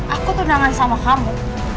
aku tenangin sama kamu